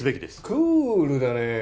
クールだねえ。